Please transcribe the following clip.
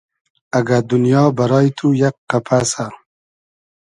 اگۂ دونیا بئرای تو یئگ قئپئسۂ